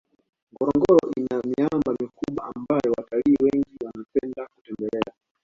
ngorongoro ina miamba mikubwa ambayo watalii wengi wanapenda kutembelea